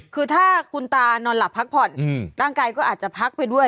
คือถ้าคุณตานอนหลับพักผ่อนร่างกายก็อาจจะพักไปด้วย